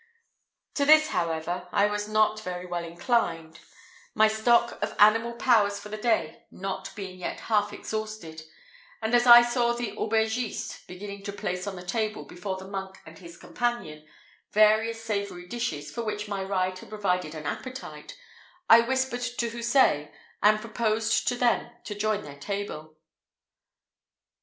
To this, however, I was not very well inclined, my stock of animal powers for the day not being yet half exhausted; and as I saw the aubergiste beginning to place on the table, before the monk and his companion, various savoury dishes, for which my ride had provided an appetite, I whispered to Houssaye, and proposed to them to join their table.